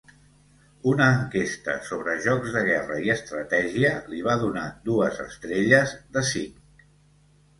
Una enquesta sobre jocs de guerra i estratègia li va donar dues estrelles de cinc.